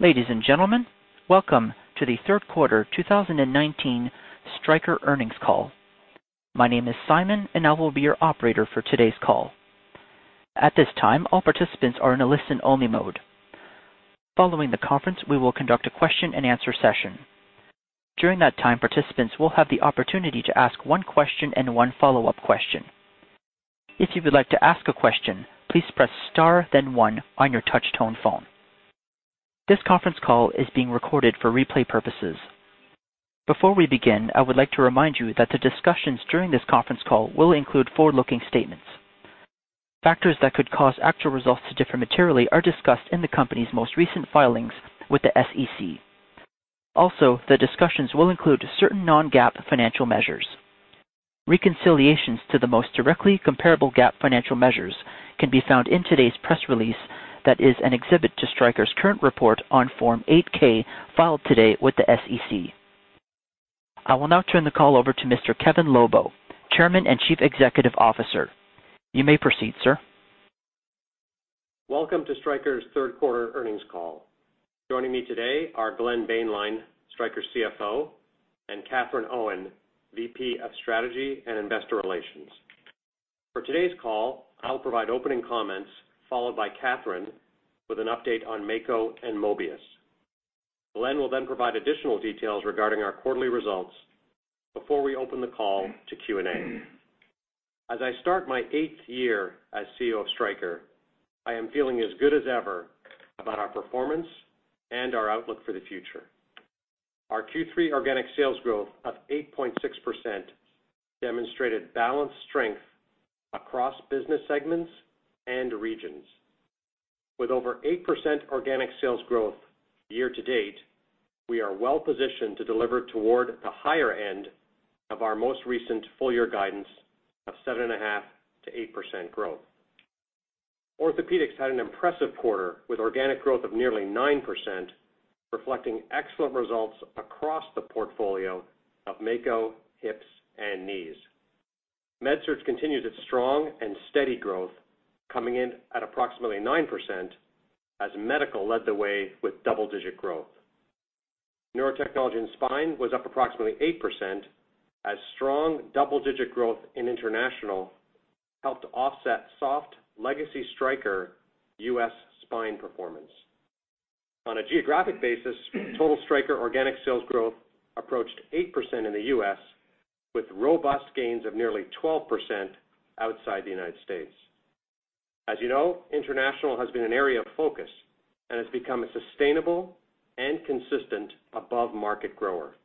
Ladies and gentlemen, welcome to the third quarter 2019 Stryker earnings call. My name is Simon, and I will be your operator for today's call. At this time, all participants are in a listen-only mode. Following the conference, we will conduct a question-and-answer session. During that time, participants will have the opportunity to ask one question and one follow-up question. If you would like to ask a question, please press star then one on your touch tone phone. This conference call is being recorded for replay purposes. Before we begin, I would like to remind you that the discussions during this conference call will include forward-looking statements. Factors that could cause actual results to differ materially are discussed in the company's most recent filings with the SEC. Also, the discussions will include certain non-GAAP financial measures. Reconciliations to the most directly comparable GAAP financial measures can be found in today's press release that is an exhibit to Stryker's current report on Form 8-K filed today with the SEC. I will now turn the call over to Mr. Kevin Lobo, Chairman and Chief Executive Officer. You may proceed, sir. Welcome to Stryker's third quarter earnings call. Joining me today are Glenn Boehnlein, Stryker's CFO, and Katherine Owen, VP of Strategy and Investor Relations. For today's call, I'll provide opening comments, followed by Katherine with an update on Mako and Mobius. Glenn will provide additional details regarding our quarterly results before we open the call to Q&A. As I start my eighth year as CEO of Stryker, I am feeling as good as ever about our performance and our outlook for the future. Our Q3 organic sales growth of 8.6% demonstrated balanced strength across business segments and regions. With over 8% organic sales growth year to date, we are well-positioned to deliver toward the higher end of our most recent full year guidance of 7.5%-8% growth. Orthopaedics had an impressive quarter, with organic growth of nearly 9%, reflecting excellent results across the portfolio of Mako, hips, and knees. MedSurg continued its strong and steady growth, coming in at approximately 9% as medical led the way with double-digit growth. Neurotechnology and spine was up approximately 8% as strong double-digit growth in international helped to offset soft legacy Stryker U.S. spine performance. On a geographic basis, total Stryker organic sales growth approached 8% in the U.S., with robust gains of nearly 12% outside the United States. As you know, international has been an area of focus and has become a sustainable and consistent above-market grower.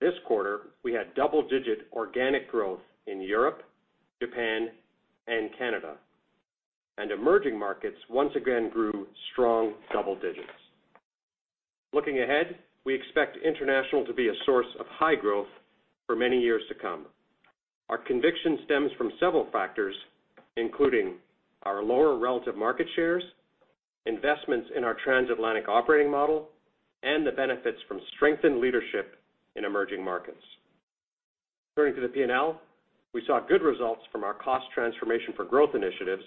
This quarter, we had double-digit organic growth in Europe, Japan, and Canada, and emerging markets once again grew strong double digits. Looking ahead, we expect international to be a source of high growth for many years to come. Our conviction stems from several factors, including our lower relative market shares, investments in our transatlantic operating model, and the benefits from strengthened leadership in emerging markets. Turning to the P&L, we saw good results from our cost transformation for growth initiatives,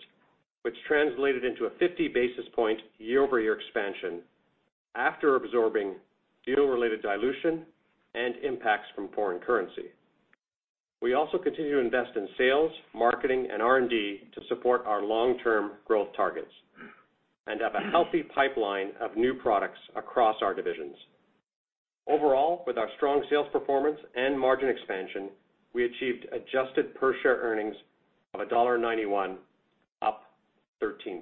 which translated into a 50 basis point year-over-year expansion after absorbing deal-related dilution and impacts from foreign currency. We also continue to invest in sales, marketing, and R&D to support our long-term growth targets and have a healthy pipeline of new products across our divisions. With our strong sales performance and margin expansion, we achieved adjusted per share earnings of $1.91, up 13%.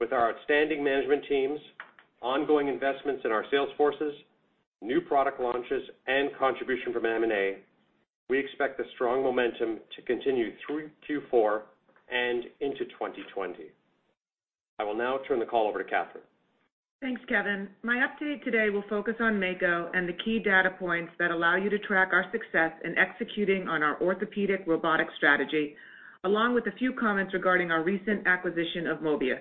With our outstanding management teams, ongoing investments in our sales forces, new product launches, and contribution from M&A, we expect this strong momentum to continue through Q4 and into 2020. I will now turn the call over to Katherine. Thanks, Kevin. My update today will focus on Mako and the key data points that allow you to track our success in executing on our orthopedic robotic strategy, along with a few comments regarding our recent acquisition of Mobius.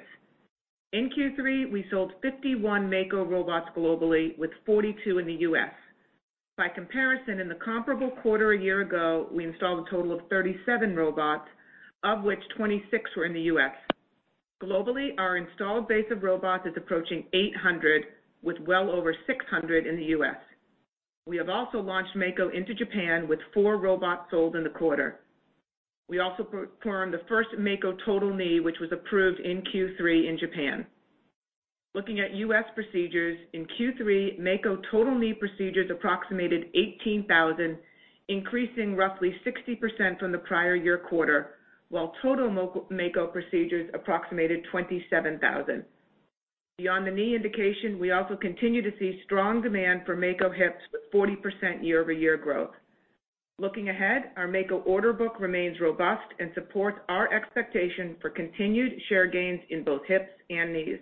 In Q3, we sold 51 Mako robots globally, with 42 in the U.S. By comparison, in the comparable quarter a year ago, we installed a total of 37 robots, of which 26 were in the U.S. Globally, our installed base of robots is approaching 800, with well over 600 in the U.S. We have also launched Mako into Japan, with four robots sold in the quarter. We also performed the first Mako total knee, which was approved in Q3 in Japan. Looking at U.S. procedures, in Q3, Mako total knee procedures approximated 18,000, increasing roughly 60% from the prior year quarter, while total Mako procedures approximated 27,000. Beyond the knee indication, we also continue to see strong demand for Mako hips with 40% year-over-year growth. Looking ahead, our Mako order book remains robust and supports our expectation for continued share gains in both hips and knees.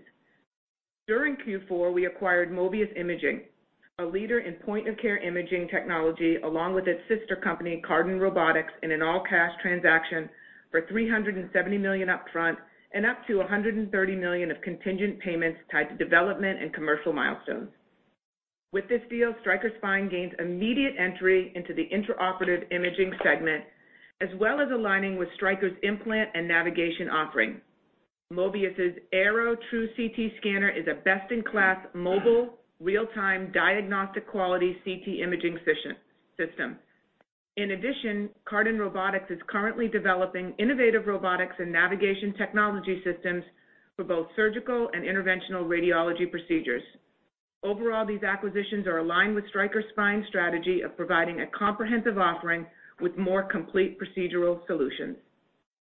During Q4, we acquired Mobius Imaging, a leader in point-of-care imaging technology, along with its sister company, Cardan Robotics, in an all-cash transaction for $370 million up front and up to $130 million of contingent payments tied to development and commercial milestones. With this deal, Stryker Spine gains immediate entry into the intraoperative imaging segment, as well as aligning with Stryker's implant and navigation offering. Mobius' Airo True CT scanner is a best-in-class mobile, real-time, diagnostic quality CT imaging system. In addition, Cardan Robotics is currently developing innovative robotics and navigation technology systems for both surgical and interventional radiology procedures. Overall, these acquisitions are aligned with Stryker Spine's strategy of providing a comprehensive offering with more complete procedural solutions.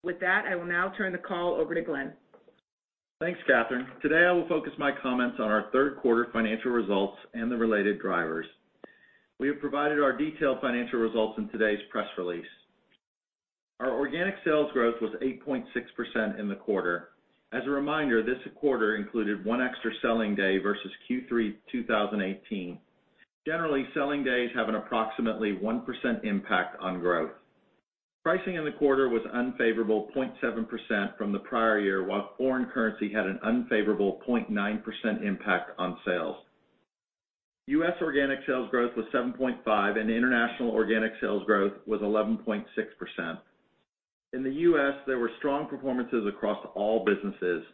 With that, I will now turn the call over to Glenn. Thanks, Katherine. Today, I will focus my comments on our third quarter financial results and the related drivers. We have provided our detailed financial results in today's press release. Our organic sales growth was 8.6% in the quarter. As a reminder, this quarter included one extra selling day versus Q3 2018. Generally, selling days have an approximately 1% impact on growth. Pricing in the quarter was unfavorable 0.7% from the prior year, while foreign currency had an unfavorable 0.9% impact on sales. U.S. organic sales growth was 7.5% and international organic sales growth was 11.6%. In the U.S., there were strong performances across all businesses.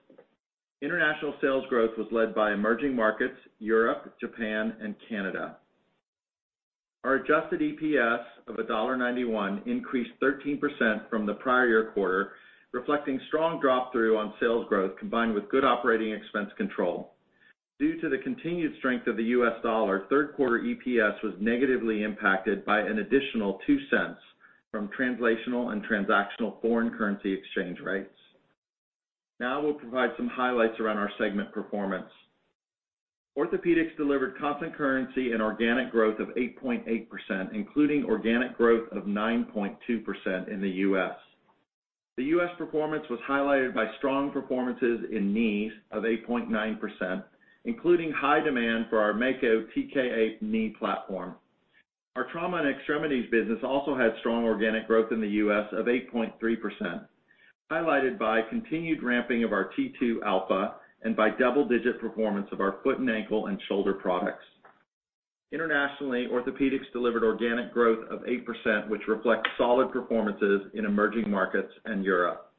International sales growth was led by emerging markets, Europe, Japan, and Canada. Our adjusted EPS of $1.91 increased 13% from the prior year quarter, reflecting strong drop-through on sales growth combined with good operating expense control. Due to the continued strength of the U.S. dollar, third quarter EPS was negatively impacted by an additional $0.02 from translational and transactional foreign currency exchange rates. We will provide some highlights around our segment performance. Orthopaedics delivered constant currency and organic growth of 8.8%, including organic growth of 9.2% in the U.S. The U.S. performance was highlighted by strong performances in knees of 8.9%, including high demand for our Mako TKA knee platform. Our trauma and extremities business also had strong organic growth in the U.S. of 8.3%, highlighted by continued ramping of our T2 Alpha and by double-digit performance of our foot and ankle and shoulder products. Internationally, Orthopaedics delivered organic growth of 8%, which reflects solid performances in emerging markets and Europe.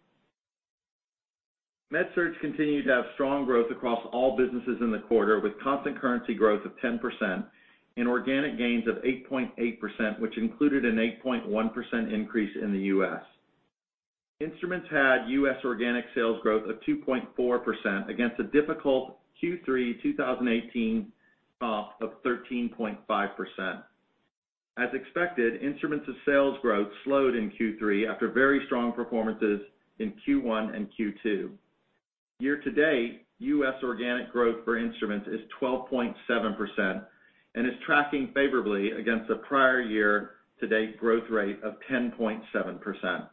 MedSurg continued to have strong growth across all businesses in the quarter, with constant currency growth of 10% and organic gains of 8.8%, which included an 8.1% increase in the U.S. Instruments had U.S. organic sales growth of 2.4% against a difficult Q3 2018 comp of 13.5%. As expected, Instruments' sales growth slowed in Q3 after very strong performances in Q1 and Q2. Year-to-date, U.S. organic growth for Instruments is 12.7% and is tracking favorably against a prior year-to-date growth rate of 10.7%.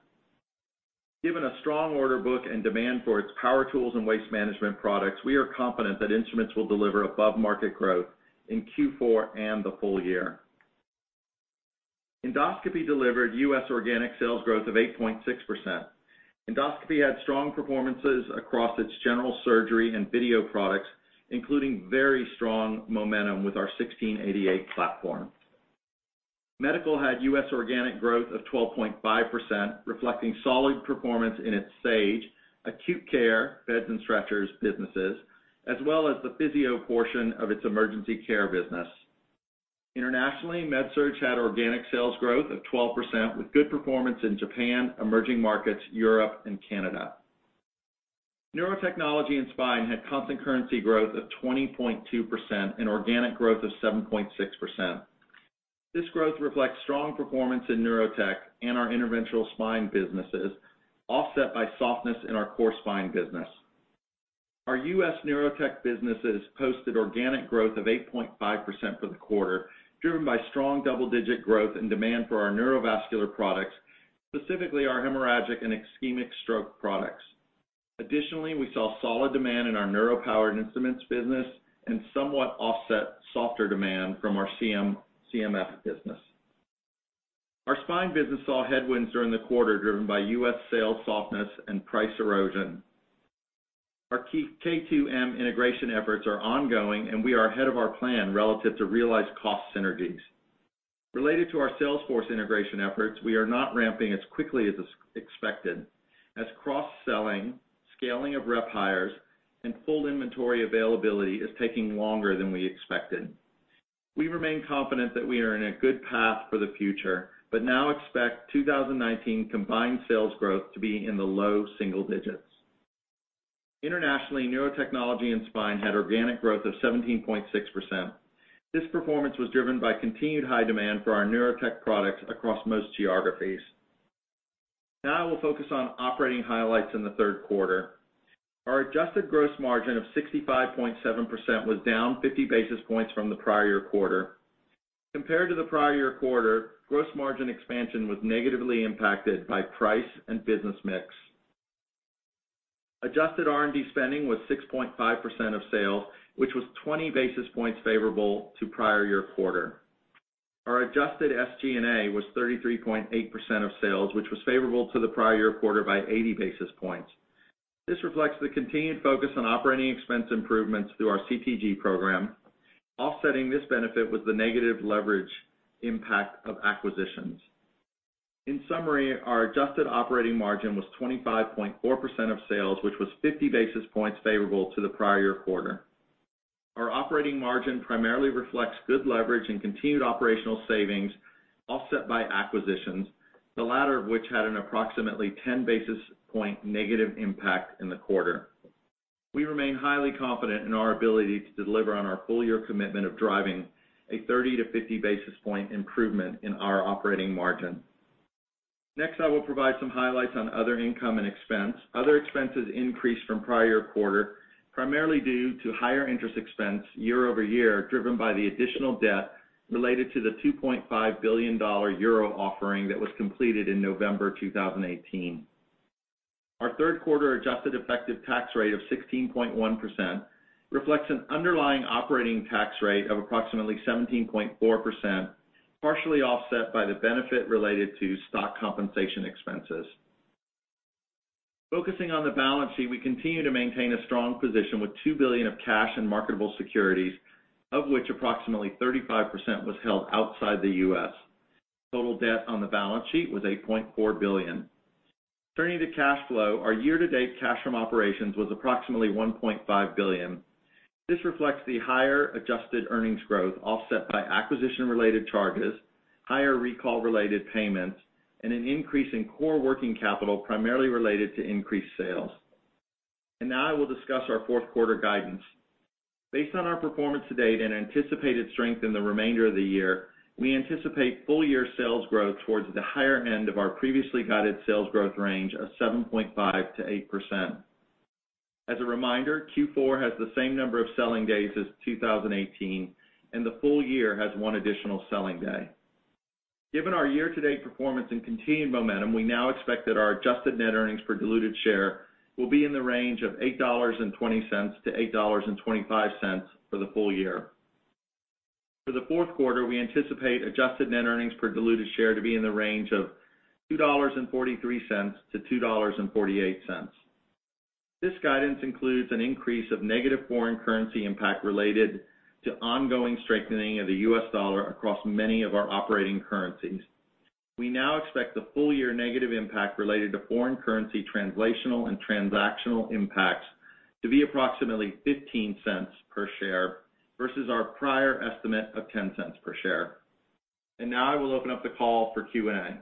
Given a strong order book and demand for its power tools and waste management products, we are confident that Instruments will deliver above-market growth in Q4 and the full year. Endoscopy delivered U.S. organic sales growth of 8.6%. Endoscopy had strong performances across its general surgery and video products, including very strong momentum with our 1688 platform. Medical had U.S. organic growth of 12.5%, reflecting solid performance in its Sage acute care beds and stretchers businesses, as well as the physio portion of its emergency care business. Internationally, MedSurg had organic sales growth of 12% with good performance in Japan, emerging markets, Europe, and Canada. Neurotechnology and Spine had constant currency growth of 20.2% and organic growth of 7.6%. This growth reflects strong performance in neurotech and our interventional spine businesses, offset by softness in our core spine business. Our U.S. neurotech businesses posted organic growth of 8.5% for the quarter, driven by strong double-digit growth and demand for our neurovascular products, specifically our hemorrhagic and ischemic stroke products. We saw solid demand in our neuro powered instruments business and somewhat offset softer demand from our CMF business. Our spine business saw headwinds during the quarter, driven by U.S. sales softness and price erosion. Our K2M integration efforts are ongoing, and we are ahead of our plan relative to realized cost synergies. Related to our salesforce integration efforts, we are not ramping as quickly as expected as cross-selling, scaling of rep hires, and full inventory availability is taking longer than we expected. We remain confident that we are in a good path for the future, but now expect 2019 combined sales growth to be in the low single digits. Internationally, Neurotechnology and Spine had organic growth of 17.6%. This performance was driven by continued high demand for our neurotech products across most geographies. Now we'll focus on operating highlights in the third quarter. Our adjusted gross margin of 65.7% was down 50 basis points from the prior year quarter. Compared to the prior year quarter, gross margin expansion was negatively impacted by price and business mix. Adjusted R&D spending was 6.5% of sales, which was 20 basis points favorable to prior year quarter. Our adjusted SG&A was 33.8% of sales, which was favorable to the prior year quarter by 80 basis points. This reflects the continued focus on operating expense improvements through our CTG program. Offsetting this benefit was the negative leverage impact of acquisitions. In summary, our adjusted operating margin was 25.4% of sales, which was 50 basis points favorable to the prior year quarter. Our operating margin primarily reflects good leverage and continued operational savings, offset by acquisitions, the latter of which had an approximately 10 basis point negative impact in the quarter. We remain highly confident in our ability to deliver on our full year commitment of driving a 30-50 basis point improvement in our operating margin. Next, I will provide some highlights on other income and expense. Other expenses increased from prior year quarter, primarily due to higher interest expense year-over-year, driven by the additional debt related to the 2.5 billion euro offering that was completed in November 2018. Our third quarter adjusted effective tax rate of 16.1% reflects an underlying operating tax rate of approximately 17.4%, partially offset by the benefit related to stock compensation expenses. Focusing on the balance sheet, we continue to maintain a strong position with 2 billion of cash and marketable securities, of which approximately 35% was held outside the U.S. Total debt on the balance sheet was $8.4 billion. Turning to cash flow, our year-to-date cash from operations was approximately $1.5 billion. This reflects the higher adjusted earnings growth, offset by acquisition-related charges, higher recall-related payments, and an increase in core working capital, primarily related to increased sales. Now I will discuss our fourth quarter guidance. Based on our performance to date and anticipated strength in the remainder of the year, we anticipate full year sales growth towards the higher end of our previously guided sales growth range of 7.5%-8%. As a reminder, Q4 has the same number of selling days as 2018, and the full year has one additional selling day. Given our year-to-date performance and continued momentum, we now expect that our adjusted net earnings per diluted share will be in the range of $8.20-$8.25 for the full year. For the fourth quarter, we anticipate adjusted net earnings per diluted share to be in the range of $2.43-$2.48. This guidance includes an increase of negative foreign currency impact related to ongoing strengthening of the U.S. dollar across many of our operating currencies. We now expect the full year negative impact related to foreign currency translational and transactional impacts to be approximately $0.15 per share versus our prior estimate of $0.10 per share. Now I will open up the call for Q&A.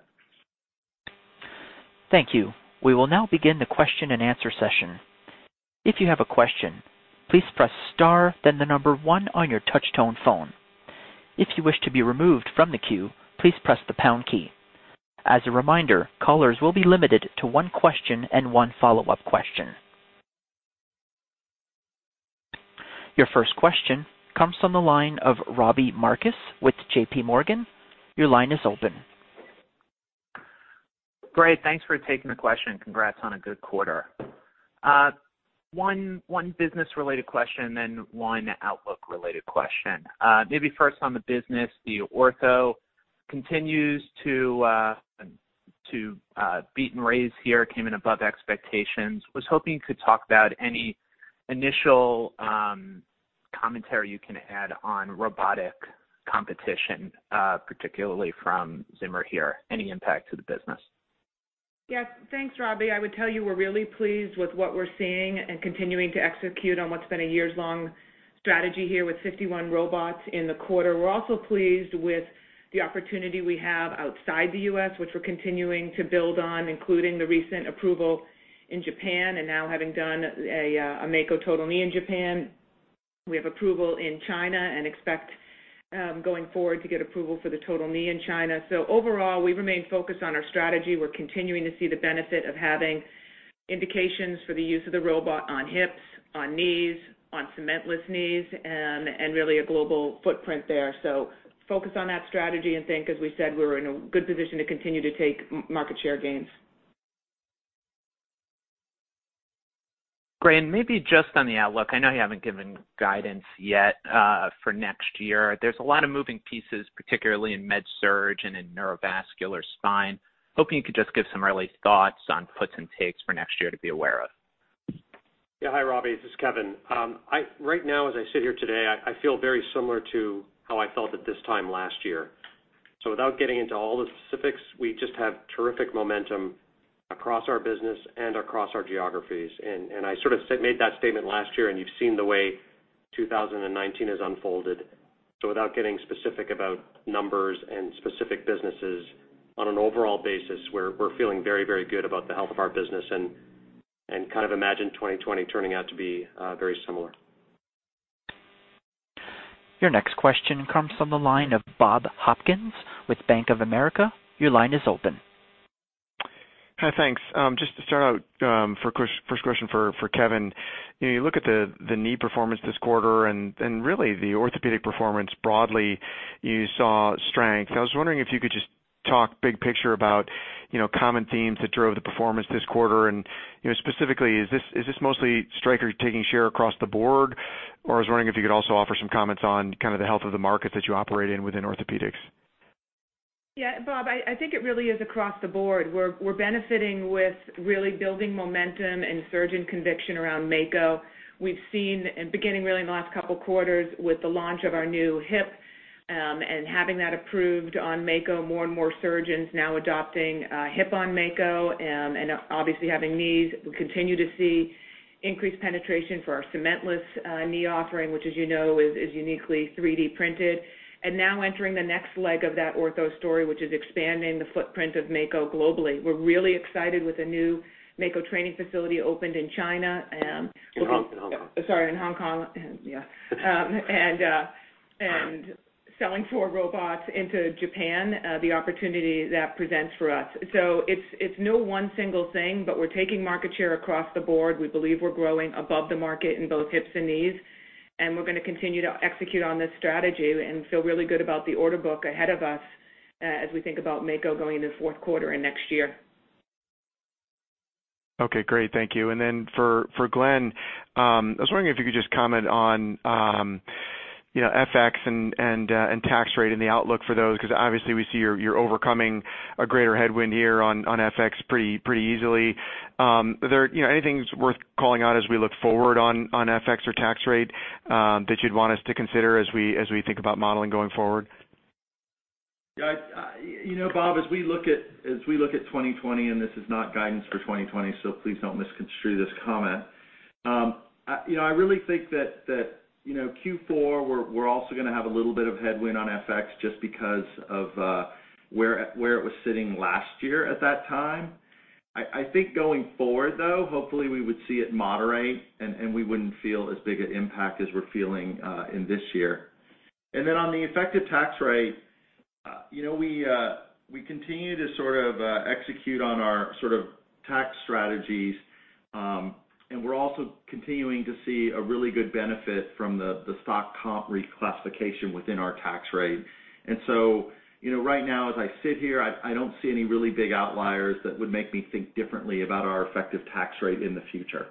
Thank you. We will now begin the question and answer session. If you have a question, please press star, then the number 1 on your touch tone phone. If you wish to be removed from the queue, please press the pound key. As a reminder, callers will be limited to 1 question and 1 follow-up question. Your first question comes from the line of Robbie Marcus with JPMorgan. Your line is open. Great. Thanks for taking the question, and congrats on a good quarter. One business-related question, and then one outlook-related question. Maybe first on the business, the Ortho continues to beat and raise here, came in above expectations. Was hoping you could talk about any initial commentary you can add on robotic competition, particularly from Zimmer here, any impact to the business. Yes. Thanks, Robbie. I would tell you we're really pleased with what we're seeing and continuing to execute on what's been a years long strategy here with 51 robots in the quarter. We're also pleased with the opportunity we have outside the U.S., which we're continuing to build on, including the recent approval in Japan, and now having done a Mako Total Knee in Japan. We have approval in China, and expect, going forward, to get approval for the Total Knee in China. Overall, we remain focused on our strategy. We're continuing to see the benefit of having indications for the use of the robot on hips, on knees, on cementless knees, and really a global footprint there. Focused on that strategy and think, as we said, we're in a good position to continue to take market share gains. Great. Maybe just on the outlook, I know you haven't given guidance yet for next year. There's a lot of moving pieces, particularly in MedSurg and in Neurovascular Spine. Hoping you could just give some early thoughts on puts and takes for next year to be aware of. Yeah. Hi, Robbie, this is Kevin. Right now as I sit here today, I feel very similar to how I felt at this time last year. Without getting into all the specifics, we just have terrific momentum across our business and across our geographies. I sort of said, made that statement last year, and you've seen the way 2019 has unfolded. Without getting specific about numbers and specific businesses, on an overall basis, we're feeling very, very good about the health of our business, and kind of imagine 2020 turning out to be very similar. Your next question comes from the line of Bob Hopkins with Bank of America. Your line is open. Hi. Thanks. Just to start out, first question for Kevin. You look at the knee performance this quarter and really the orthopedic performance broadly, you saw strength. I was wondering if you could just talk big picture about common themes that drove the performance this quarter, and specifically, is this mostly Stryker taking share across the board? I was wondering if you could also offer some comments on kind of the health of the markets that you operate in within orthopedics. Yeah, Bob, I think it really is across the board. We're benefiting with really building momentum and surgeon conviction around Mako. We've seen, beginning really in the last couple of quarters with the launch of our new hip, and having that approved on Mako, more and more surgeons now adopting hip on Mako. Obviously having knees, we continue to see increased penetration for our cementless knee offering, which as you know, is uniquely 3D printed. Now entering the next leg of that ortho story, which is expanding the footprint of Mako globally. We're really excited with a new Mako training facility opened in China. In Hong Kong. Sorry, in Hong Kong. Selling four robots into Japan, the opportunity that presents for us. It's no one single thing, but we're taking market share across the board. We believe we're growing above the market in both hips and knees, and we're going to continue to execute on this strategy and feel really good about the order book ahead of us, as we think about Mako going into the fourth quarter and next year. Okay, great. Thank you. For Glenn, I was wondering if you could just comment on FX and tax rate and the outlook for those, because obviously we see you're overcoming a greater headwind here on FX pretty easily. Anything that's worth calling out as we look forward on FX or tax rate that you'd want us to consider as we think about modeling going forward? Bob, as we look at 2020, this is not guidance for 2020, please don't misconstrue this comment. I really think that Q4, we're also going to have a little bit of headwind on FX just because of where it was sitting last year at that time. I think going forward, though, hopefully we would see it moderate, and we wouldn't feel as big an impact as we're feeling in this year. On the effective tax rate, we continue to sort of execute on our sort of tax strategies. We're also continuing to see a really good benefit from the stock comp reclassification within our tax rate. Right now as I sit here, I don't see any really big outliers that would make me think differently about our effective tax rate in the future.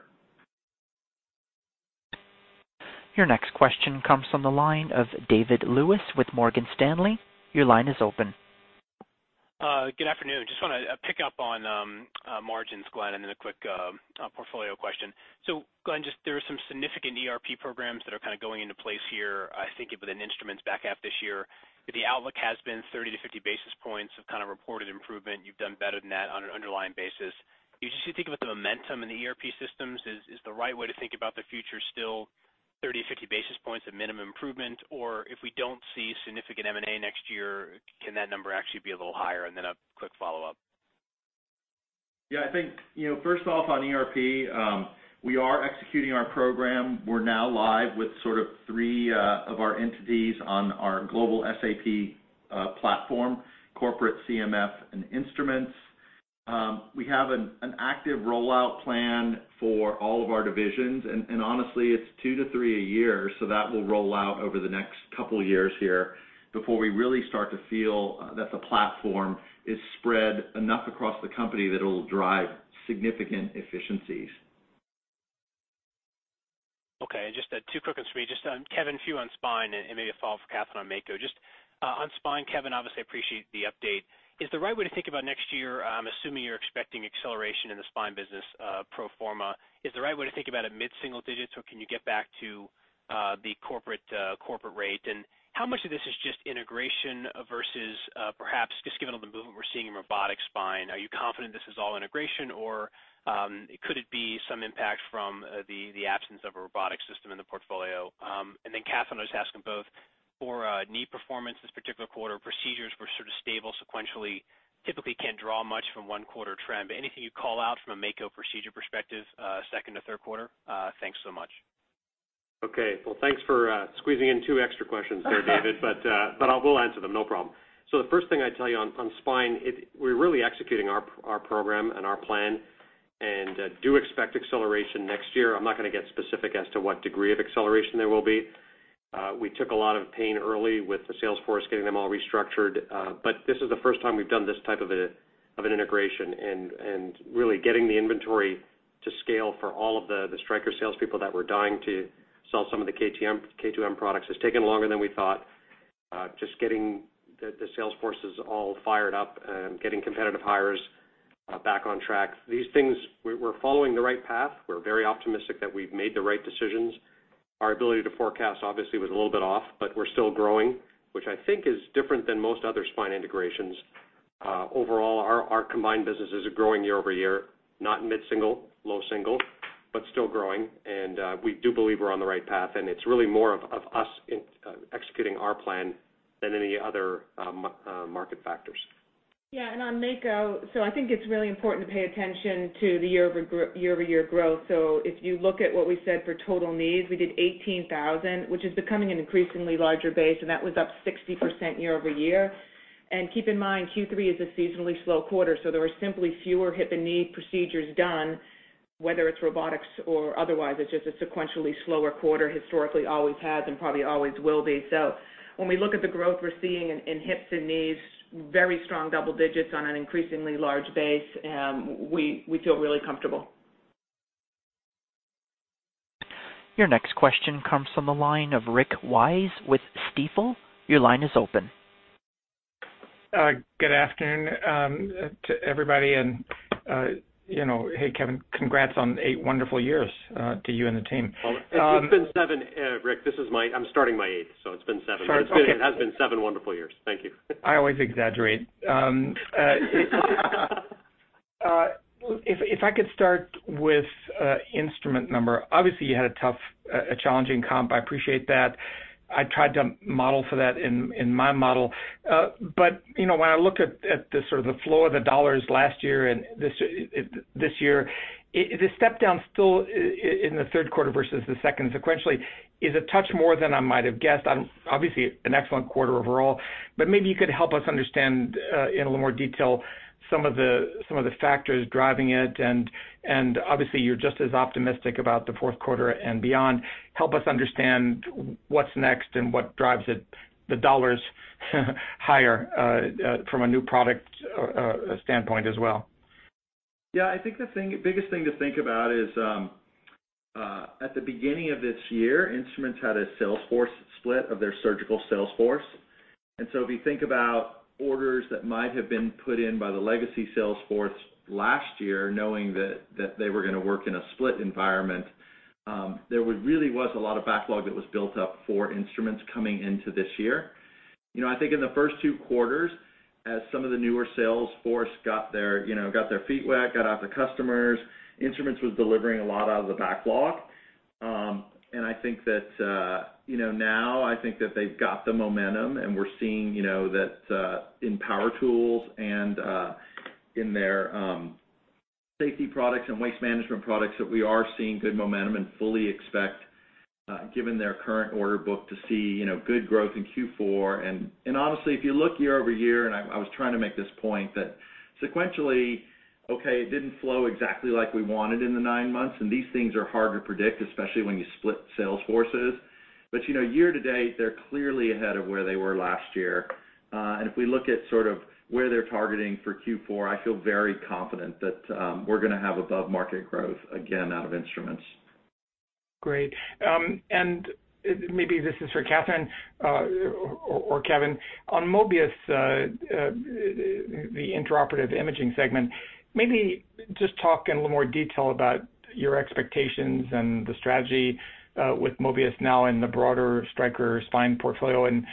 Your next question comes from the line of David Lewis with Morgan Stanley. Your line is open. Good afternoon. Just want to pick up on margins, Glenn, and then a quick portfolio question. Glenn, there are some significant ERP programs that are kind of going into place here, I think, within Instruments back half this year. The outlook has been 30-50 basis points of kind of reported improvement. You've done better than that on an underlying basis. You just think about the momentum in the ERP systems. Is the right way to think about the future still 30-50 basis points of minimum improvement? If we don't see significant M&A next year, can that number actually be a little higher? Then a quick follow-up. Yeah, I think first off on ERP, we are executing our program. We're now live with sort of three of our entities on our global SAP platform, corporate CMF, and Instruments. Honestly, it's two to three a year. That will roll out over the next couple of years here before we really start to feel that the platform is spread enough across the company that it'll drive significant efficiencies. Okay. Just two quick ones for me, just Kevin, a few on Spine and maybe a follow for Katherine on Mako. Just on Spine, Kevin, obviously, appreciate the update. Is the right way to think about next year, assuming you're expecting acceleration in the Spine business pro forma, is the right way to think about it mid-single digits, or can you get back to the corporate rate? How much of this is just integration versus perhaps just given all the movement we're seeing in robotic spine, are you confident this is all integration, or could it be some impact from the absence of a robotic system in the portfolio? Then Katherine, I was asking both for knee performance this particular quarter. Procedures were sort of stable sequentially. Typically can't draw much from one quarter trend, but anything you'd call out from a Mako procedure perspective, second to third quarter? Thanks so much. Well, thanks for squeezing in two extra questions there, David, I will answer them. No problem. The first thing I'd tell you on Spine, we're really executing our program and our plan and do expect acceleration next year. I'm not going to get specific as to what degree of acceleration there will be. We took a lot of pain early with the sales force, getting them all restructured. This is the first time we've done this type of an integration and really getting the inventory to scale for all of the Stryker salespeople that were dying to sell some of the K2M products has taken longer than we thought. Just getting the sales forces all fired up and getting competitive hires back on track. These things, we're following the right path. We're very optimistic that we've made the right decisions. Our ability to forecast obviously was a little bit off, but we're still growing, which I think is different than most other Spine integrations. Overall, our combined businesses are growing year-over-year, not mid-single, low single, but still growing, and it's really more of us executing our plan than any other market factors. On Mako, I think it's really important to pay attention to the year-over-year growth. If you look at what we said for total knees, we did 18,000, which is becoming an increasingly larger base, and that was up 60% year over year. Keep in mind, Q3 is a seasonally slow quarter, so there were simply fewer hip and knee procedures done. Whether it's robotics or otherwise, it's just a sequentially slower quarter, historically always has and probably always will be. When we look at the growth we're seeing in hips and knees, very strong double digits on an increasingly large base, we feel really comfortable. Your next question comes from the line of Rick Wise with Stifel. Your line is open. Good afternoon to everybody and, hey, Kevin, congrats on eight wonderful years to you and the team. It's just been seven, Rick, I'm starting my eighth, so it's been seven. Sure, it's okay. It has been seven wonderful years. Thank you. I always exaggerate. If I could start with instrument number. You had a challenging comp. I appreciate that. I tried to model for that in my model. When I look at the sort of the flow of the dollars last year and this year, the step down still in the third quarter versus the second sequentially is a touch more than I might have guessed. An excellent quarter overall, but maybe you could help us understand, in a little more detail, some of the factors driving it and, obviously, you're just as optimistic about the fourth quarter and beyond. Help us understand what's next and what drives it, the dollars, higher, from a new product standpoint as well. Yeah, I think the biggest thing to think about is, at the beginning of this year, Instruments had a sales force split of their surgical sales force. If you think about orders that might have been put in by the legacy sales force last year, knowing that they were going to work in a split environment, there was really a lot of backlog that was built up for Instruments coming into this year. I think in the first two quarters, as some of the newer sales force got their feet wet, got out to customers, Instruments was delivering a lot out of the backlog. I think that now, I think that they've got the momentum and we're seeing that in power tools and in their safety products and waste management products, that we are seeing good momentum and fully expect, given their current order book, to see good growth in Q4. Honestly, if you look year-over-year, and I was trying to make this point that sequentially, okay, it didn't flow exactly like we wanted in the nine months, and these things are hard to predict, especially when you split sales forces. Year-to-date, they're clearly ahead of where they were last year. If we look at sort of where they're targeting for Q4, I feel very confident that we're going to have above-market growth again out of Instruments. Great. Maybe this is for Katherine or Kevin. On Mobius, the intraoperative imaging segment, maybe just talk in a little more detail about your expectations and the strategy with Mobius now in the broader Stryker Spine portfolio, and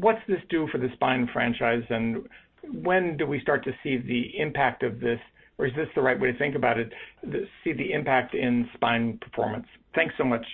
what's this do for the spine franchise, and when do we start to see the impact of this, or is this the right way to think about it, see the impact in spine performance? Thanks so much.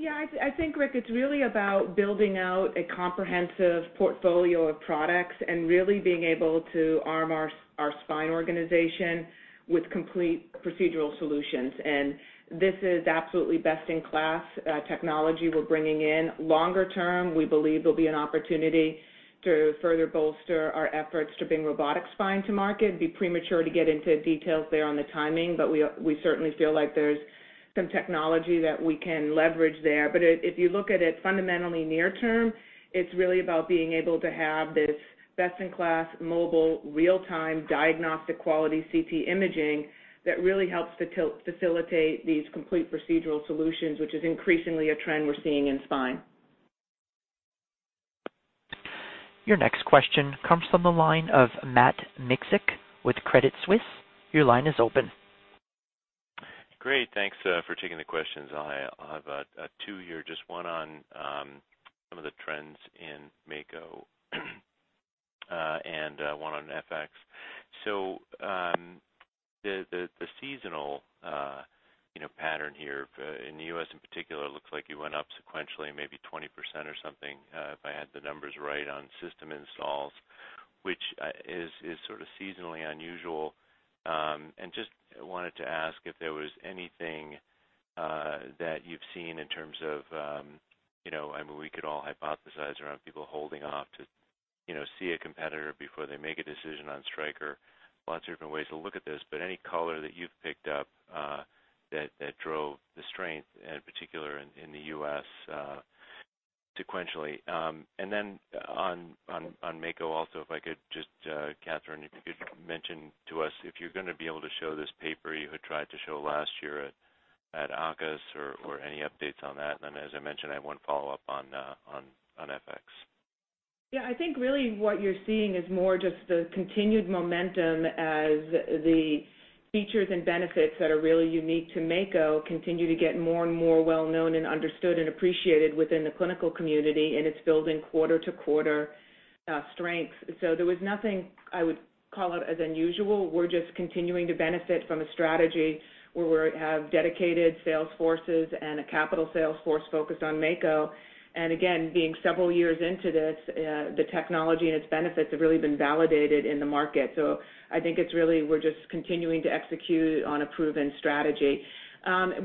I think, Rick, it's really about building out a comprehensive portfolio of products and really being able to arm our Stryker Spine organization with complete procedural solutions. This is absolutely best-in-class technology we're bringing in. Longer term, we believe there'll be an opportunity to further bolster our efforts to bring Mako spine to market. It'd be premature to get into details there on the timing, we certainly feel like there's some technology that we can leverage there. If you look at it fundamentally near term, it's really about being able to have this best-in-class, mobile, real-time, diagnostic quality Airo that really helps to facilitate these complete procedural solutions, which is increasingly a trend we're seeing in spine. Your next question comes from the line of Matthew Miksic with Credit Suisse. Your line is open. Great. Thanks for taking the questions. I have two here, just one on some of the trends in Mako and one on FX. The seasonal pattern here in the U.S. in particular, looks like you went up sequentially maybe 20% or something, if I had the numbers right on system installs, which is sort of seasonally unusual. Just wanted to ask if there was anything that you've seen in terms of I mean, we could all hypothesize around people holding off to see a competitor before they make a decision on Stryker. Lots of different ways to look at this, but any color that you've picked up that drove the strength, in particular in the U.S. sequentially. On Mako also, if I could just, Katherine, if you could mention to us if you're going to be able to show this paper you had tried to show last year at AAOS or any updates on that? As I mentioned, I have one follow-up on FX. I think really what you're seeing is more just the continued momentum as the features and benefits that are really unique to Mako continue to get more and more well-known and understood and appreciated within the clinical community, and it's building quarter-to-quarter strength. There was nothing I would call it as unusual. We're just continuing to benefit from a strategy where we have dedicated sales forces and a capital sales force focused on Mako. Again, being several years into this, the technology and its benefits have really been validated in the market. I think it's really we're just continuing to execute on a proven strategy.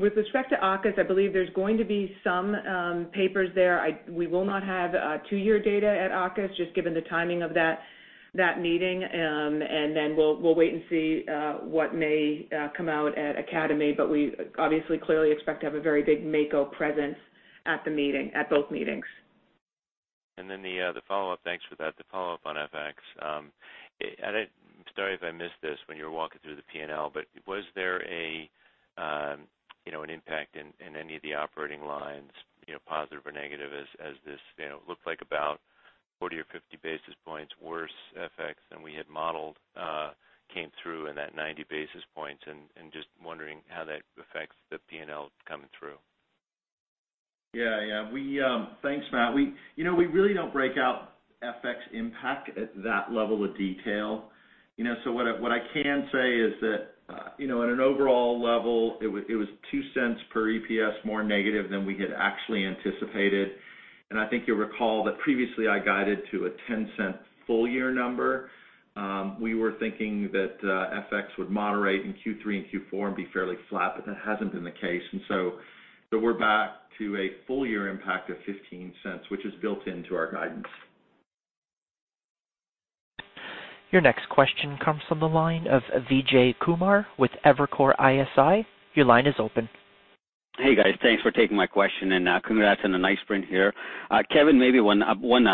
With respect to AAOS, I believe there's going to be some papers there. We will not have two-year data at AAOS, just given the timing of that meeting, and then we'll wait and see what may come out at Academy. We obviously, clearly expect to have a very big Mako presence at both meetings. The follow-up, thanks for that. The follow-up on FX. Sorry if I missed this when you were walking through the P&L, was there an impact in any of the operating lines, positive or negative, as this looked like about 40 or 50 basis points worse FX than we had modeled, came through in that 90 basis points, and just wondering how that affects the P&L coming through. Thanks, Matt. We really don't break out FX impact at that level of detail. What I can say is that at an overall level, it was $0.02 per EPS more negative than we had actually anticipated. I think you'll recall that previously I guided to a $0.10 full-year number. We were thinking that FX would moderate in Q3 and Q4 and be fairly flat, but that hasn't been the case. We're back to a full-year impact of $0.15, which is built into our guidance. Your next question comes from the line of Vijay Kumar with Evercore ISI. Your line is open. Hey, guys. Thanks for taking my question. Congrats on a nice print here. Kevin, maybe one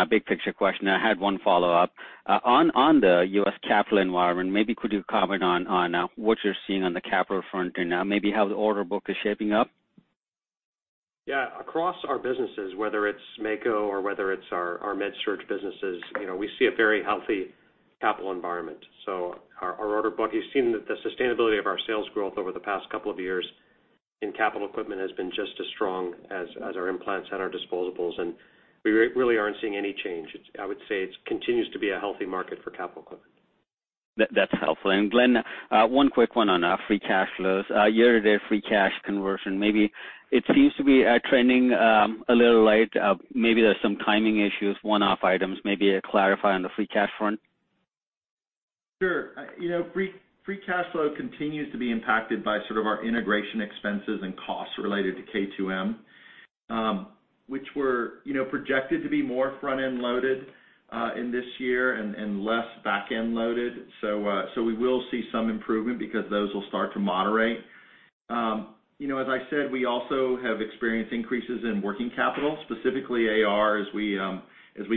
big-picture question. I had one follow-up. On the U.S. capital environment, maybe could you comment on what you're seeing on the capital front? Maybe how the order book is shaping up? Yeah. Across our businesses, whether it's Mako or whether it's our MedSurg businesses, we see a very healthy capital environment. Our order book, you've seen that the sustainability of our sales growth over the past couple of years in capital equipment has been just as strong as our implants and our disposables, and we really aren't seeing any change. I would say it continues to be a healthy market for capital equipment. That's helpful. Glenn, one quick one on free cash flows. Year-to-date free cash conversion, maybe it seems to be trending a little light. Maybe there's some timing issues, one-off items, maybe clarify on the free cash front. Sure. Free cash flow continues to be impacted by sort of our integration expenses and costs related to K2M, which were projected to be more front-end loaded in this year and less back-end loaded. We will see some improvement because those will start to moderate. As I said, we also have experienced increases in working capital, specifically AR, as we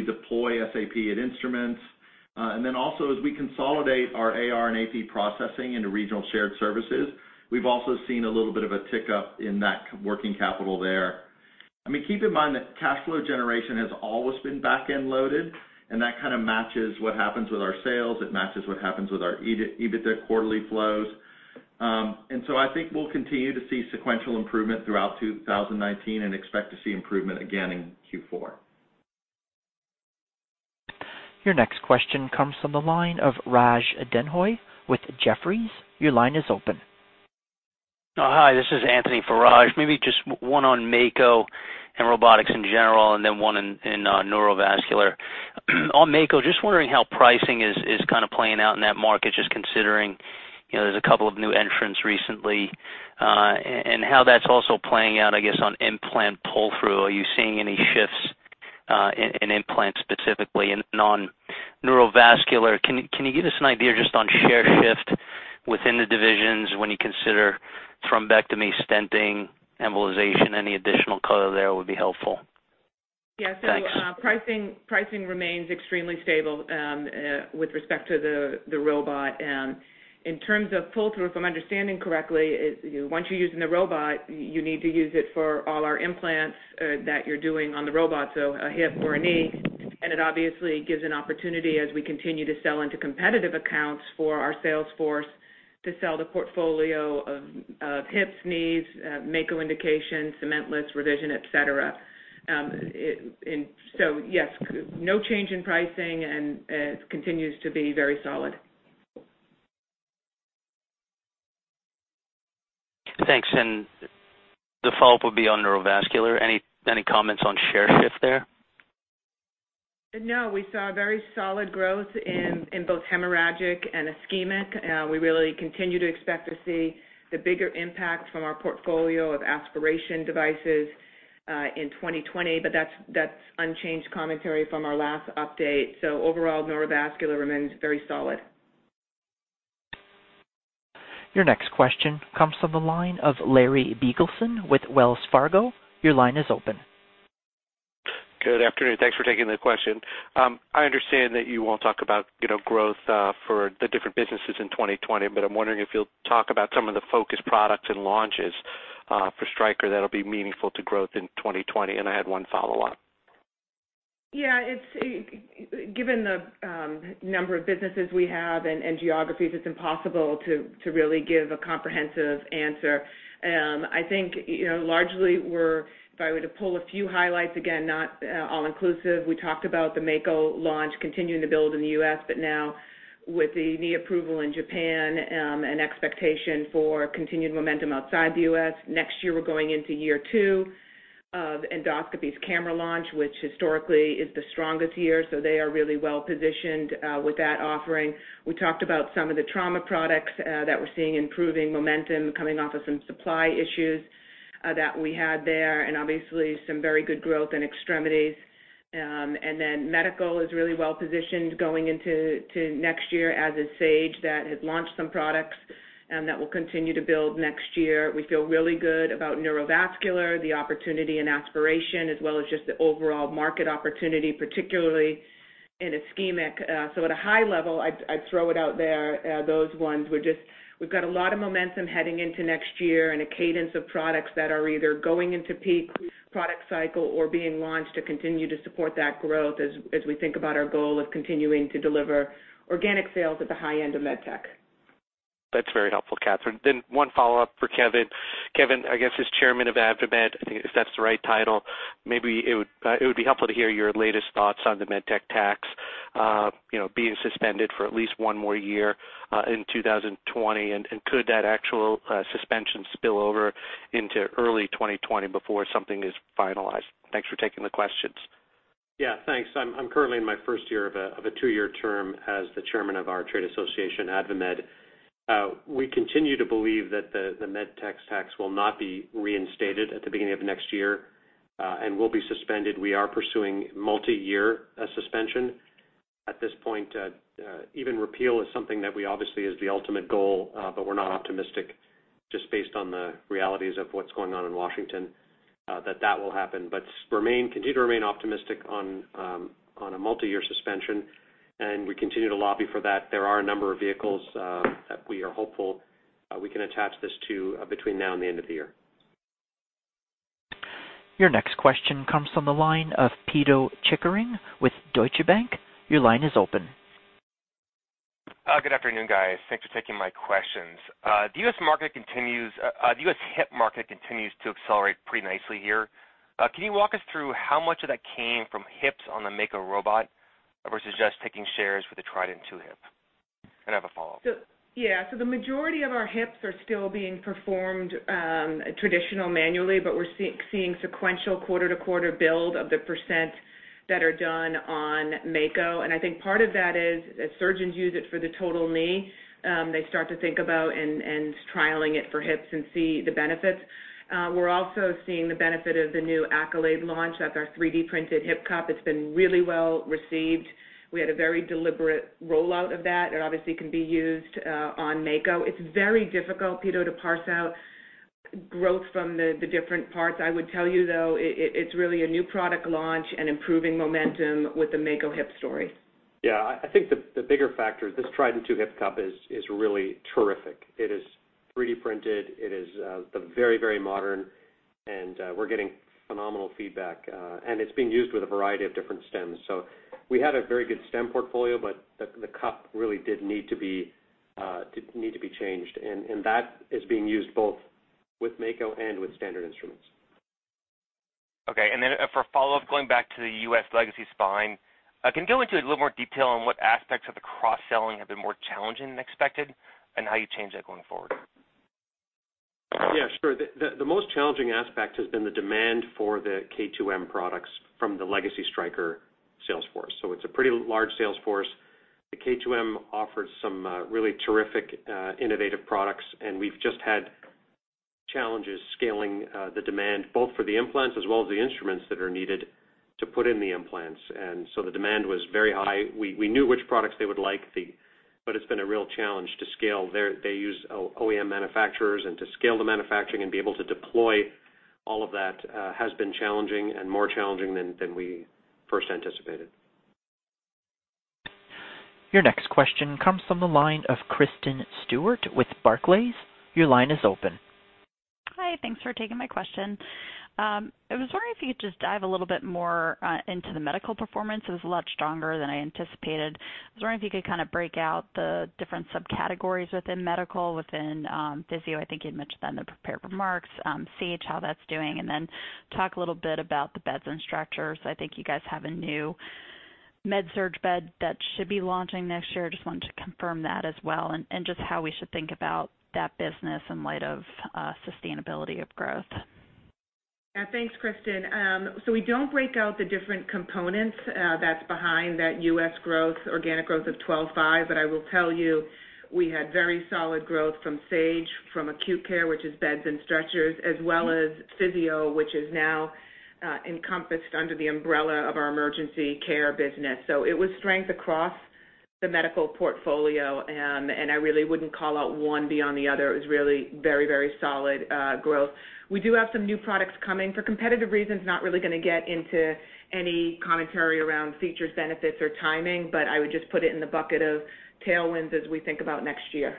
deploy SAP at Instruments. Also as we consolidate our AR and AP processing into regional shared services, we've also seen a little bit of a tick up in that working capital there. Keep in mind that cash flow generation has always been back-end loaded, and that kind of matches what happens with our sales. It matches what happens with our EBITDA quarterly flows. I think we'll continue to see sequential improvement throughout 2019 and expect to see improvement again in Q4. Your next question comes from the line of Raj Denhoy with Jefferies. Your line is open. Hi, this is Anthony for Raj. Maybe just one on Mako and robotics in general, and then one in neurovascular. On Mako, just wondering how pricing is kind of playing out in that market, just considering there's a couple of new entrants recently, and how that's also playing out, I guess, on implant pull-through. Are you seeing any shifts in implants specifically? On neurovascular, can you give us an idea just on share shift within the divisions when you consider thrombectomy, stenting, embolization? Any additional color there would be helpful. Yeah. Thanks. Pricing remains extremely stable with respect to the robot. In terms of pull-through, if I'm understanding correctly, once you're using the robot, you need to use it for all our implants that you're doing on the robot, so a hip or a knee. It obviously gives an opportunity as we continue to sell into competitive accounts for our sales force to sell the portfolio of hips, knees, Mako indications, cement-less revision, et cetera. Yes, no change in pricing, and it continues to be very solid. Thanks. The follow-up would be on neurovascular. Any comments on share shift there? We saw very solid growth in both hemorrhagic and ischemic. We really continue to expect to see the bigger impact from our portfolio of aspiration devices in 2020, but that's unchanged commentary from our last update. Overall, neurovascular remains very solid. Your next question comes from the line of Larry Biegelsen with Wells Fargo. Your line is open. Good afternoon. Thanks for taking the question. I understand that you won't talk about growth for the different businesses in 2020. I'm wondering if you'll talk about some of the focus products and launches for Stryker that'll be meaningful to growth in 2020. I had one follow-up. Given the number of businesses we have and geographies, it's impossible to really give a comprehensive answer. I think largely, if I were to pull a few highlights, again, not all inclusive. We talked about the Mako launch continuing to build in the U.S., but now with the knee approval in Japan, an expectation for continued momentum outside the U.S. Next year, we're going into year two of Endoscopy's camera launch, which historically is the strongest year, they are really well-positioned with that offering. We talked about some of the trauma products that we're seeing improving momentum coming off of some supply issues. That we had there and obviously some very good growth in extremities. Medical is really well positioned going into next year, as is Sage, that has launched some products that will continue to build next year. We feel really good about Neurovascular, the opportunity and aspiration, as well as just the overall market opportunity, particularly in ischemic. At a high level, I'd throw it out there, those ones. We've got a lot of momentum heading into next year and a cadence of products that are either going into peak product cycle or being launched to continue to support that growth as we think about our goal of continuing to deliver organic sales at the high end of med tech. That's very helpful, Katherine. One follow-up for Kevin. Kevin, I guess, as Chairman of AdvaMed, I think if that's the right title, maybe it would be helpful to hear your latest thoughts on the medical device tax being suspended for at least one more year in 2020. Could that actual suspension spill over into early 2020 before something is finalized? Thanks for taking the questions. Yeah, thanks. I'm currently in my first year of a two-year term as the chairman of our trade association, AdvaMed. We continue to believe that the medical device tax will not be reinstated at the beginning of next year, and will be suspended. We are pursuing multi-year suspension. At this point, even repeal is something that obviously is the ultimate goal, but we're not optimistic, just based on the realities of what's going on in Washington, that that will happen. Continue to remain optimistic on a multi-year suspension, and we continue to lobby for that. There are a number of vehicles that we are hopeful we can attach this to between now and the end of the year. Your next question comes from the line of Pito Chickering with Deutsche Bank. Your line is open. Good afternoon, guys. Thanks for taking my questions. The U.S. hip market continues to accelerate pretty nicely here. Can you walk us through how much of that came from hips on the Mako robot versus just taking shares with the Trident II hip? I have a follow-up. The majority of our hips are still being performed traditional manually, but we're seeing sequential quarter-to-quarter build of the % that are done on Mako. I think part of that is as surgeons use it for the total knee, they start to think about and trialing it for hips and see the benefits. We're also seeing the benefit of the new Accolade launch. That's our 3D-printed hip cup. It's been really well received. We had a very deliberate rollout of that. It obviously can be used on Mako. It's very difficult, Pito, to parse out growth from the different parts. I would tell you, though, it's really a new product launch and improving momentum with the Mako hip story. Yeah. I think the bigger factor, this Trident II hip cup is really terrific. It is 3D printed. It is very modern, and we're getting phenomenal feedback. It's being used with a variety of different stems. We had a very good stem portfolio, but the cup really did need to be changed, and that is being used both with Mako and with standard instruments. Okay, for a follow-up, going back to the U.S. legacy spine. Can you go into a little more detail on what aspects of the cross-selling have been more challenging than expected and how you change that going forward? Yeah, sure. The most challenging aspect has been the demand for the K2M products from the legacy Stryker sales force. It's a pretty large sales force. The K2M offers some really terrific, innovative products, and we've just had challenges scaling the demand, both for the implants as well as the instruments that are needed to put in the implants. The demand was very high. We knew which products they would like, but it's been a real challenge to scale. They use OEM manufacturers, and to scale the manufacturing and be able to deploy all of that has been challenging, and more challenging than we first anticipated. Your next question comes from the line of Kristen Stewart with Barclays. Your line is open. Hi. Thanks for taking my question. I was wondering if you could just dive a little bit more into the MedSurg performance. It was a lot stronger than I anticipated. I was wondering if you could kind of break out the different subcategories within MedSurg, within Physio-Control, I think you'd mentioned in the prepared remarks, Sage, how that's doing, and then talk a little bit about the beds and stretchers. I think you guys have a new MedSurg bed that should be launching next year. Just wanted to confirm that as well, and just how we should think about that business in light of sustainability of growth. Thanks, Kristen. We don't break out the different components that's behind that U.S. organic growth of 12.5. I will tell you, we had very solid growth from Sage, from acute care, which is beds and stretchers, as well as Physio-Control, which is now encompassed under the umbrella of our emergency care business. It was strength across the medical portfolio. I really wouldn't call out one beyond the other. It was really very solid growth. We do have some new products coming. For competitive reasons, not really going to get into any commentary around features, benefits, or timing. I would just put it in the bucket of tailwinds as we think about next year.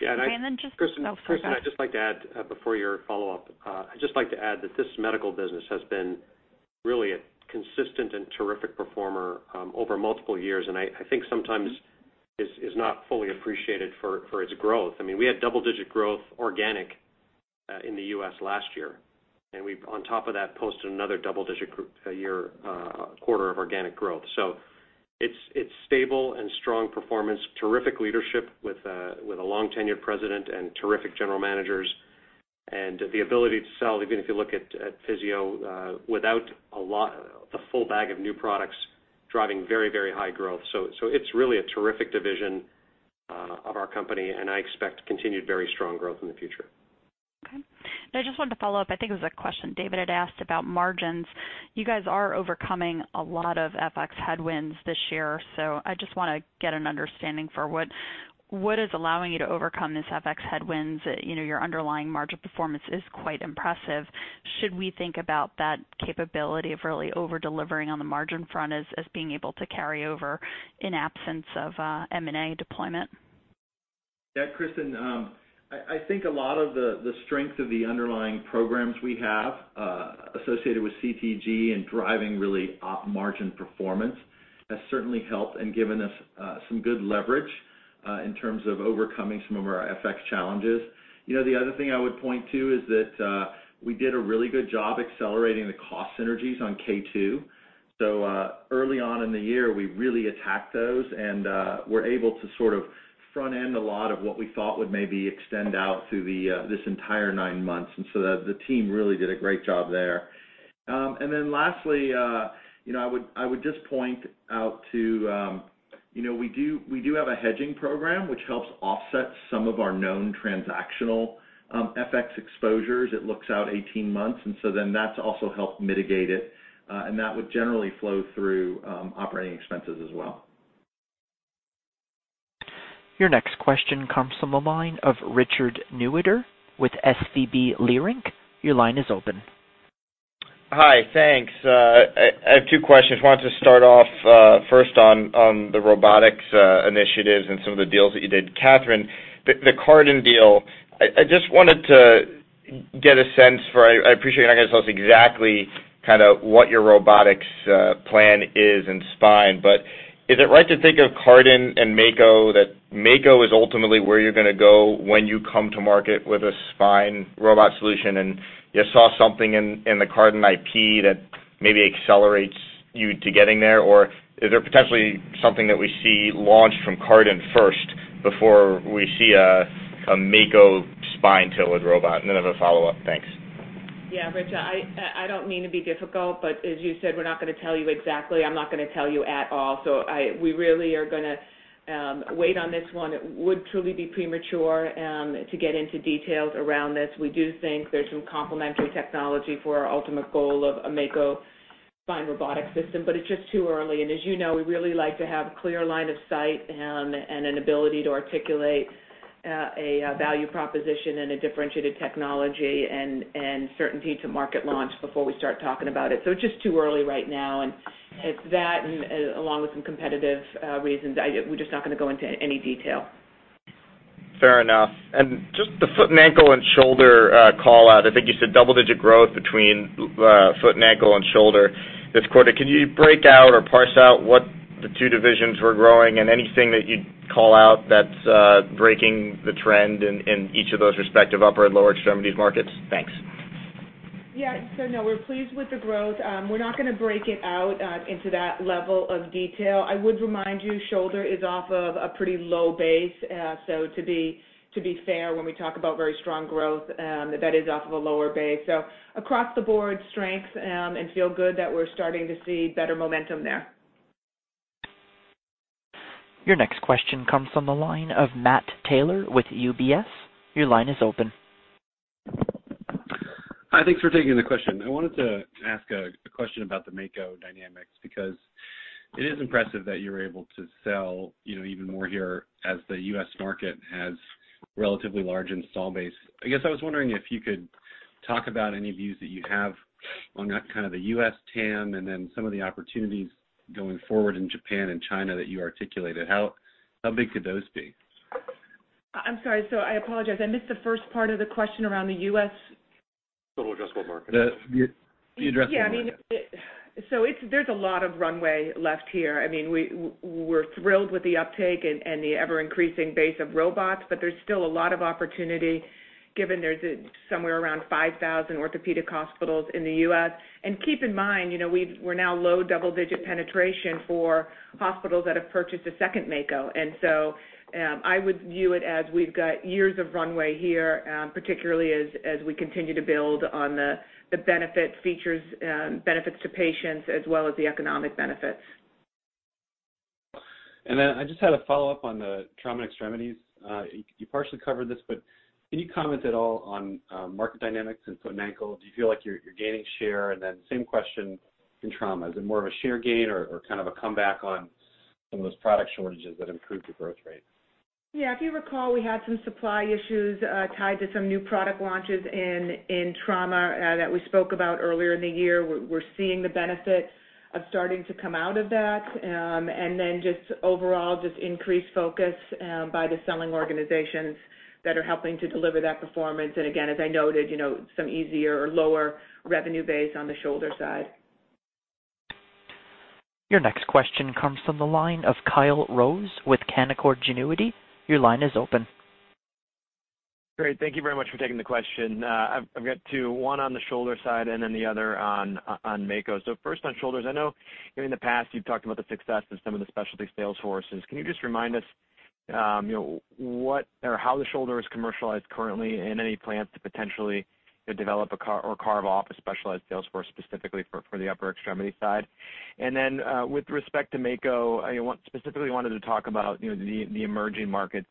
Yeah. And then just- Kristen- Oh, go ahead. Kristen, I'd just like to add, before your follow-up, I'd just like to add that this medical business has been really a consistent and terrific performer over multiple years, and I think sometimes is not fully appreciated for its growth. I mean, we had double-digit growth organic in the U.S. last year, and we've on top of that posted another double-digit quarter of organic growth. It's stable and strong performance, terrific leadership with a long-tenured president and terrific general managers, and the ability to sell, even if you look at Physio-Control, without the full bag of new products driving very high growth. It's really a terrific division Of our company, I expect continued very strong growth in the future. Okay. I just wanted to follow up. I think it was a question David had asked about margins. You guys are overcoming a lot of FX headwinds this year, I just want to get an understanding for what is allowing you to overcome these FX headwinds. Your underlying margin performance is quite impressive. Should we think about that capability of really over-delivering on the margin front as being able to carry over in absence of M&A deployment? Yeah, Kristen, I think a lot of the strength of the underlying programs we have associated with CTG and driving really op margin performance has certainly helped and given us some good leverage in terms of overcoming some of our FX challenges. The other thing I would point to is that we did a really good job accelerating the cost synergies on K2M. Early on in the year, we really attacked those and were able to sort of front-end a lot of what we thought would maybe extend out through this entire nine months. The team really did a great job there. Lastly, I would just point out too, we do have a hedging program which helps offset some of our known transactional FX exposures. It looks out 18 months, and so then that's also helped mitigate it. That would generally flow through operating expenses as well. Your next question comes from the line of Richard Newitter with SVB Leerink. Your line is open. Hi. Thanks. I have two questions. I wanted to start off first on the robotics initiatives and some of the deals that you did. Katherine, the Cardan deal, I just wanted to get a sense for, I appreciate you're not going to tell us exactly kind of what your robotics plan is in spine, but is it right to think of Cardan and Mako, that Mako is ultimately where you're going to go when you come to market with a spine robot solution, and you saw something in the Cardan IP that maybe accelerates you to getting there? Or is there potentially something that we see launched from Cardan first before we see a Mako spine-tilted robot? I have a follow-up. Thanks. Yeah, Richard, I don't mean to be difficult, but as you said, we're not going to tell you exactly. I'm not going to tell you at all. We really are going to wait on this one. It would truly be premature to get into details around this. We do think there's some complementary technology for our ultimate goal of a Mako spine robotic system, it's just too early. As you know, we really like to have a clear line of sight and an ability to articulate a value proposition and a differentiated technology and certainty to market launch before we start talking about it. It's just too early right now, and it's that, and along with some competitive reasons, we're just not going to go into any detail. Fair enough. Just the Foot and Ankle and Shoulder call-out, I think you said double-digit growth between Foot and Ankle and Shoulder this quarter. Can you break out or parse out what the two divisions were growing and anything that you'd call out that's breaking the trend in each of those respective upper and lower extremities markets? Thanks. No, we're pleased with the growth. We're not going to break it out into that level of detail. I would remind you, shoulder is off of a pretty low base. To be fair, when we talk about very strong growth, that is off of a lower base. Across the board strength and feel good that we're starting to see better momentum there. Your next question comes from the line of Matt Taylor with UBS. Your line is open. Hi, thanks for taking the question. I wanted to ask a question about the Mako dynamics because it is impressive that you're able to sell even more here as the U.S. market has relatively large install base. I guess I was wondering if you could talk about any views that you have on kind of the U.S. TAM and then some of the opportunities going forward in Japan and China that you articulated. How big could those be? I'm sorry. I apologize. I missed the first part of the question around the U.S. Total addressable market. The addressable market. There's a lot of runway left here. We're thrilled with the uptake and the ever-increasing base of robots, but there's still a lot of opportunity given there's somewhere around 5,000 orthopedic hospitals in the U.S. Keep in mind, we're now low double-digit penetration for hospitals that have purchased a second Mako. I would view it as we've got years of runway here, particularly as we continue to build on the benefit features, benefits to patients as well as the economic benefits. I just had a follow-up on the trauma extremities. You partially covered this, but can you comment at all on market dynamics in foot and ankle? Do you feel like you're gaining share? Same question in trauma. Is it more of a share gain or kind of a comeback on some of those product shortages that improved your growth rate? Yeah. If you recall, we had some supply issues tied to some new product launches in trauma that we spoke about earlier in the year. We're seeing the benefits of starting to come out of that. Then just overall, just increased focus by the selling organizations that are helping to deliver that performance. Again, as I noted, some easier or lower revenue base on the shoulder side. Your next question comes from the line of Kyle Rose with Canaccord Genuity. Your line is open. Great. Thank you very much for taking the question. I've got two, one on the shoulder side and the other on Mako. First on shoulders, I know in the past you've talked about the success of some of the specialty sales forces. Can you just remind us what or how the shoulder is commercialized currently and any plans to potentially develop or carve off a specialized sales force specifically for the upper extremity side? With respect to Mako, I specifically wanted to talk about the emerging markets.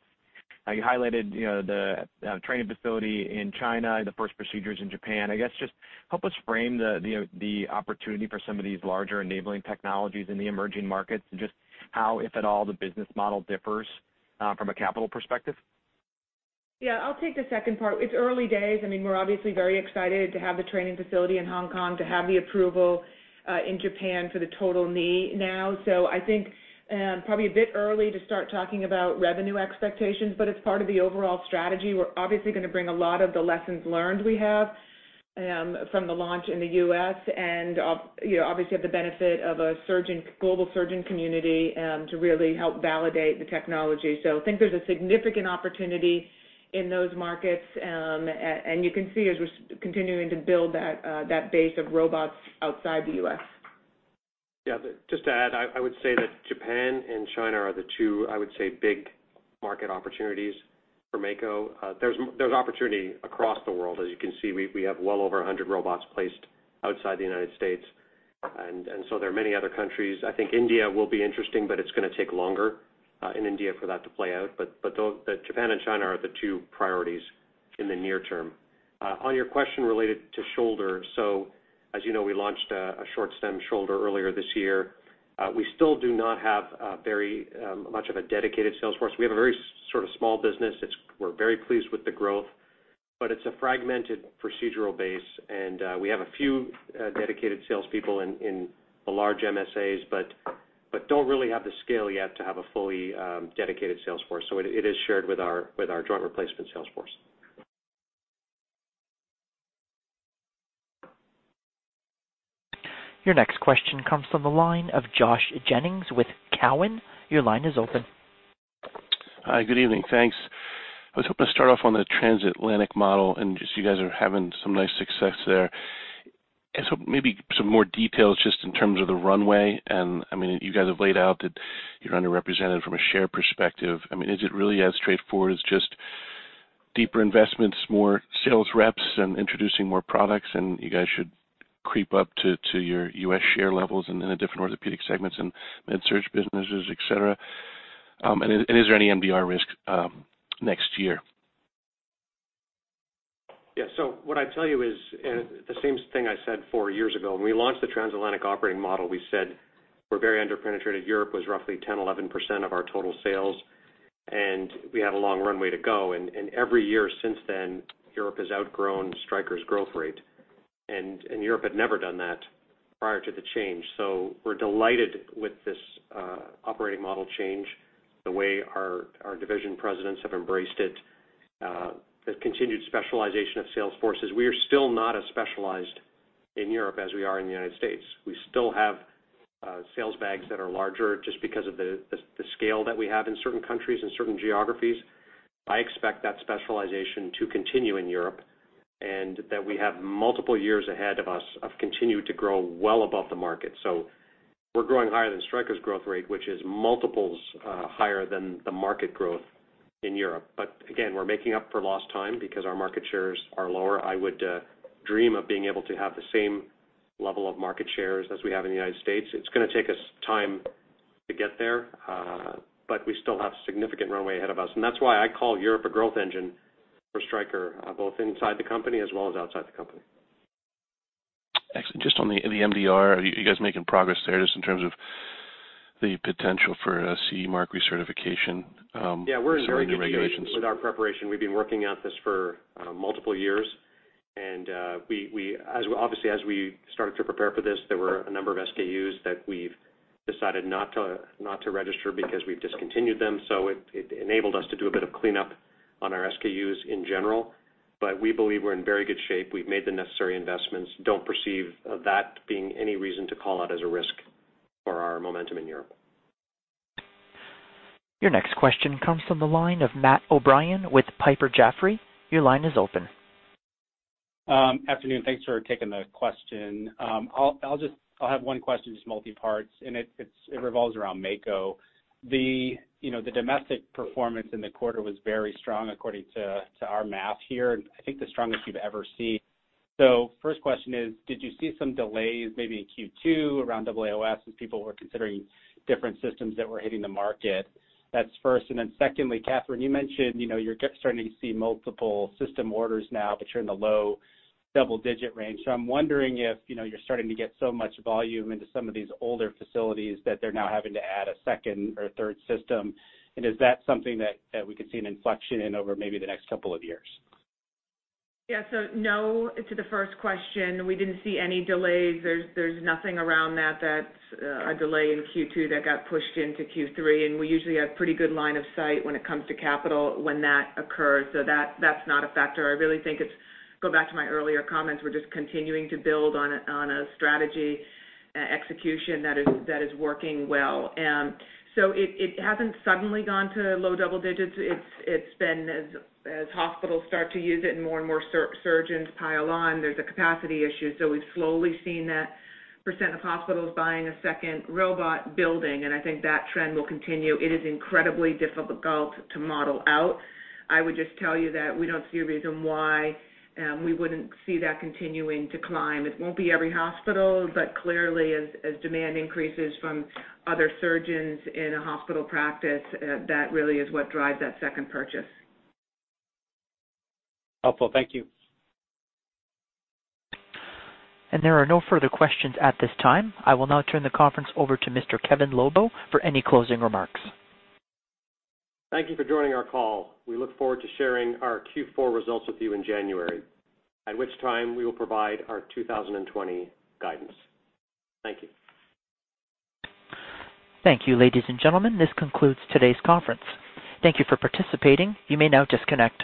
You highlighted the training facility in China, the first procedures in Japan. I guess just help us frame the opportunity for some of these larger enabling technologies in the emerging markets and just how, if at all, the business model differs from a capital perspective. Yeah, I'll take the second part. It's early days. We're obviously very excited to have the training facility in Hong Kong, to have the approval in Japan for the Total Knee now. I think probably a bit early to start talking about revenue expectations, but it's part of the overall strategy. We're obviously going to bring a lot of the lessons learned we have from the launch in the U.S., and obviously have the benefit of a global surgeon community to really help validate the technology. I think there's a significant opportunity in those markets. You can see as we're continuing to build that base of robots outside the U.S. Just to add, I would say that Japan and China are the two, I would say, big market opportunities for Mako. There's opportunity across the world. As you can see, we have well over 100 robots placed outside the U.S. There are many other countries. I think India will be interesting, but it's going to take longer in India for that to play out. Japan and China are the two priorities in the near term. On your question related to shoulder, as you know, we launched a short-stemmed shoulder earlier this year. We still do not have very much of a dedicated sales force. We have a very sort of small business. We're very pleased with the growth, but it's a fragmented procedural base, and we have a few dedicated sales people in the large MSAs, but don't really have the scale yet to have a fully dedicated sales force. It is shared with our joint replacement sales force. Your next question comes from the line of Josh Jennings with Cowen. Your line is open. Hi, good evening. Thanks. I was hoping to start off on the transatlantic model, just you guys are having some nice success there. I guess hope maybe some more details just in terms of the runway, you guys have laid out that you're underrepresented from a share perspective. Is it really as straightforward as just deeper investments, more sales reps, and introducing more products, you guys should creep up to your U.S. share levels and in the different Orthopaedics segments and MedSurg businesses, et cetera? Is there any MDR risk next year? Yeah. What I'd tell you is the same thing I said four years ago. When we launched the transatlantic operating model, we said we're very under-penetrated. Europe was roughly 10%, 11% of our total sales, and we had a long runway to go. Every year since then, Europe has outgrown Stryker's growth rate. Europe had never done that prior to the change. We're delighted with this operating model change, the way our division presidents have embraced it, the continued specialization of sales forces. We are still not as specialized in Europe as we are in the United States. We still have sales bags that are larger just because of the scale that we have in certain countries and certain geographies. I expect that specialization to continue in Europe, and that we have multiple years ahead of us of continuing to grow well above the market. We're growing higher than Stryker's growth rate, which is multiples higher than the market growth in Europe. Again, we're making up for lost time because our market shares are lower. I would dream of being able to have the same level of market shares as we have in the U.S. It's going to take us time to get there, but we still have significant runway ahead of us. That's why I call Europe a growth engine for Stryker, both inside the company as well as outside the company. Actually, just on the MDR, are you guys making progress there just in terms of the potential for a CE mark recertification? Yeah, we're in very good shape. Some of the new regulations? with our preparation. We've been working at this for multiple years. Obviously as we started to prepare for this, there were a number of SKUs that we've decided not to register because we've discontinued them. It enabled us to do a bit of cleanup on our SKUs in general. We believe we're in very good shape. We've made the necessary investments. Don't perceive that being any reason to call out as a risk for our momentum in Europe. Your next question comes from the line of Matthew O'Brien with Piper Jaffray. Your line is open. Afternoon. Thanks for taking the question. I'll have one question, just multi-parts. It revolves around Mako. The domestic performance in the quarter was very strong according to our math here, and I think the strongest you've ever seen. First question is, did you see some delays maybe in Q2 around AAOS as people were considering different systems that were hitting the market? That's first. Secondly, Katherine, you mentioned you're starting to see multiple system orders now, but you're in the low double-digit range. I'm wondering if you're starting to get so much volume into some of these older facilities that they're now having to add a second or third system. Is that something that we could see an inflection in over maybe the next couple of years? Yeah. No to the first question, we didn't see any delays. There's nothing around that that's a delay in Q2 that got pushed into Q3, and we usually have pretty good line of sight when it comes to capital when that occurs. That's not a factor. I really think it's go back to my earlier comments. We're just continuing to build on a strategy execution that is working well. It hasn't suddenly gone to low double digits. It's been as hospitals start to use it and more and more surgeons pile on, there's a capacity issue. We've slowly seen that percent of hospitals buying a second robot building, and I think that trend will continue. It is incredibly difficult to model out. I would just tell you that we don't see a reason why we wouldn't see that continuing to climb. It won't be every hospital, but clearly as demand increases from other surgeons in a hospital practice, that really is what drives that second purchase. Helpful. Thank you. There are no further questions at this time. I will now turn the conference over to Mr. Kevin Lobo for any closing remarks. Thank you for joining our call. We look forward to sharing our Q4 results with you in January, at which time we will provide our 2020 guidance. Thank you. Thank you, ladies and gentlemen. This concludes today's conference. Thank you for participating. You may now disconnect.